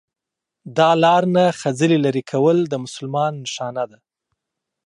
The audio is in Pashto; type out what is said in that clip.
دا لار نه خځلي لري کول د مسلمان نښانه ده